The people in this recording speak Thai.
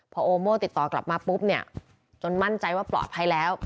พอโอโม่ติดต่อกลับมาปุ๊บเนี่ยจนมั่นใจว่าปลอดภัยแล้ว